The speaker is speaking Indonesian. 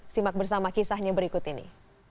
simak bersama kisahnya berikut ini